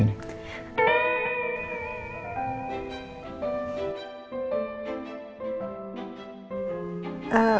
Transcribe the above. ini mau ngambil obat terus